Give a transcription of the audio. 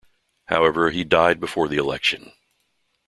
However, he died before the election.